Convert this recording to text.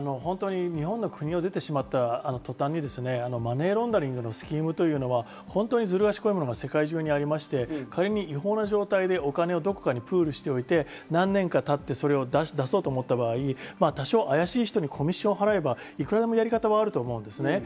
日本の国を出てしまった途端にマネーロンダリングのスキームというのは、ずる賢いものが世界中にありまして、仮に違法の状態でどこかにお金をプールしておいて、何年か経って出そうと思った場合、多少あやしい人にコミッションを払えばいくらでもやり方があると思います。